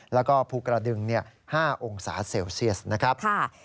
แล้วก็ภูกระดึง๕องศาเซลเซียสนะครับ